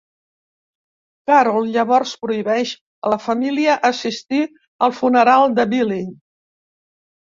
Carol llavors prohibeix a la família assistir al funeral de Billie.